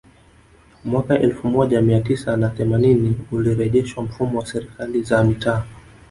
Mwaka elfu moja mia tisa na themanini ulirejeshwa mfumo wa Serikali za Mitaa